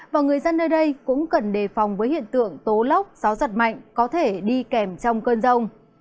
và người dân nơi đây cũng cần đề phòng với hiện tượng tố lốc gió giật mạnh có thể đi kèm trong cơn rông